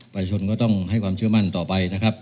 ประชาชนก็ต้องให้ความเชื่อมั่นต่อไปนะครับ